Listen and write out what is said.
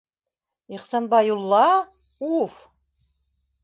Ихсанбайулла... уф!